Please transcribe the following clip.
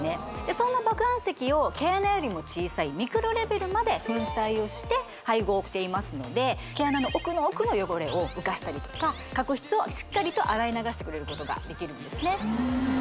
そんな麦飯石を毛穴よりも小さいミクロレベルまで粉砕をして配合していますので毛穴の奥の奥の汚れを浮かしたりとか角質をしっかりと洗い流してくれることができるんですね